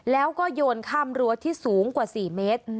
แล้วก็โยนข้ามรั้วที่สูงกว่า๔เมตร